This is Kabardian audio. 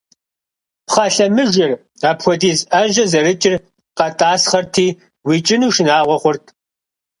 Пхъэ лъэмыжыр, апхуэдиз Ӏэжьэ зэрыкӀыр, къэтӀасхъэрти, уикӀыну шынагъуэ хъурт.